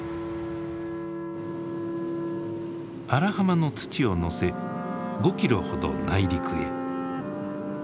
荒浜の土を乗せ５キロほど内陸へ。